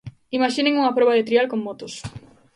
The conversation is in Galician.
Imaxinen unha proba de trial con motos.